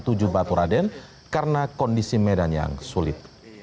tujuh baturaden karena kondisi medan yang sulit